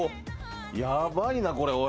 やばいなこれおい。